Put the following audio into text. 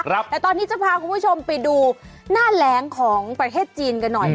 แต่ตอนนี้จะพาคุณผู้ชมไปดูหน้าแหลงของประเทศจีนกันหน่อย